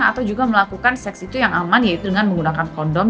atau juga melakukan seks itu yang aman yaitu dengan menggunakan kondom